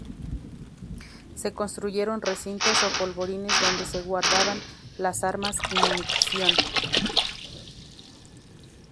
Se construyeron recintos o polvorines donde se guardaban las armas y munición.